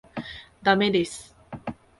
駄目です。